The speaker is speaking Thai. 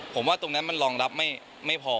ผมว่าตรงนั้นมันรองรับไม่พอ